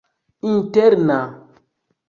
interna